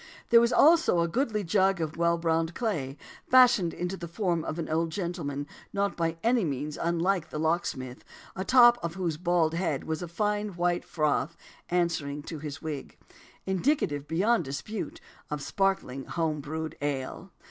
There was also a goodly jug of well browned clay, fashioned into the form of an old gentleman not by any means unlike the locksmith, atop of whose bald head was a fine white froth answering to his wig, indicative, beyond dispute, of sparkling home brewed ale.